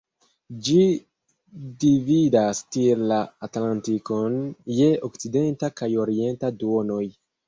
Ĝi dividas tiel la Atlantikon je okcidenta kaj orienta duonoj.